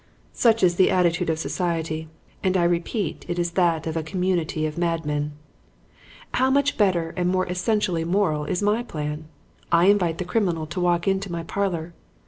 Such is the attitude of society; and I repeat it is that of a community of madmen. "How much better and more essentially moral is my plan! I invite the criminal to walk into my parlor.